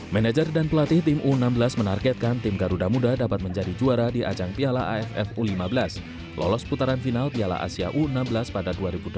manajer dan pelatih tim u enam belas menargetkan tim garuda muda dapat menjadi juara di ajang piala aff u lima belas lolos putaran final piala asia u enam belas pada dua ribu delapan belas